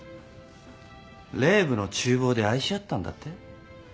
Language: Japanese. ＲＥＶＥの厨房で愛し合ったんだって？